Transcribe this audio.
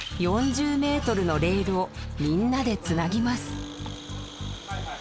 ４０ｍのレールをみんなでつなぎます。